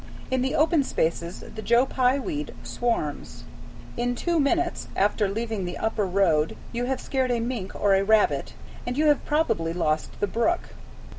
In the open spaces the Joe Pye weed swarms. In two minutes after leaving the upper road you have scared a mink or a rabbit, and you have probably lost the brook.